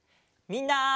みんな！